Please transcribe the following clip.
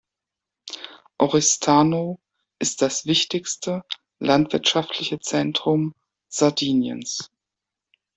Oristano ist das wichtigste landwirtschaftliche Zentrum Sardiniens.